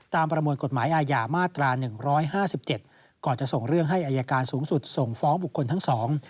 ตามประมวลกฎหมายอาญามาตรา๑๕๗ก่อนจะส่งเรื่องให้อัยการสูงสุดส่งฟ้องบุคคลทั้งสอง